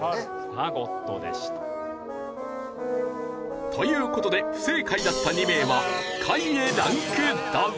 ファゴットでした。という事で不正解だった２名は下位へランクダウン。